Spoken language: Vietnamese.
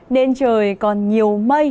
đêm trời còn nhiều mây